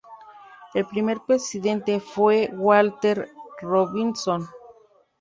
El primer presidente fue Walter Robinson.